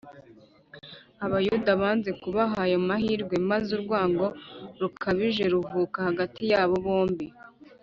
Abayuda banze kubaha ayo mahirwe, maze urwango rukabije ruvuka hagati yabo bombi